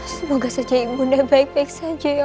seolah saja ibunya baik baik saja